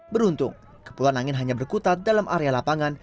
beruntung kepulauan angin hanya berkutat dalam area lapangan